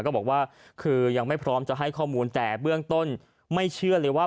ก็บอกว่าคือยังไม่พร้อมจะให้ข้อมูลแต่เบื้องต้นไม่เชื่อเลยว่า